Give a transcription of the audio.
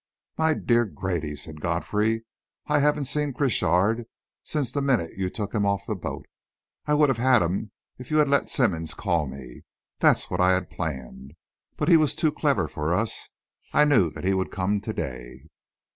"My dear Grady," said Godfrey, "I haven't seen Crochard since the minute you took him off the boat. I'd have had him, if you had let Simmonds call me. That's what I had planned. But he was too clever for us. I knew that he would come to day...."